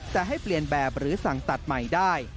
แต่ให้เปลี่ยนแบบหรือสั่งตัดใหม่ได้